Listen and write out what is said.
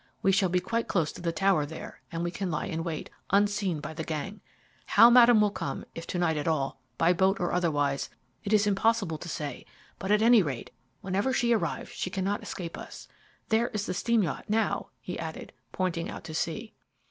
We shall be quite close to the tower there, and we can lie in wait, unseen by the gang. How Madame will come, if to night at all, by boat or otherwise, it is impossible to say; but at any rate, whenever she arrives she cannot escape us. There is the steam yacht now," he added, pointing out to sea.